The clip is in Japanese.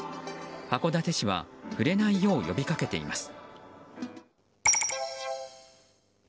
函館市は触れないよう呼びかけています。